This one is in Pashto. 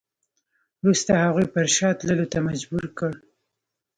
وروسته هغوی پر شا تللو ته مجبور کړ.